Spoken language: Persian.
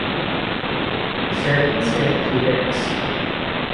سرویس پیرکس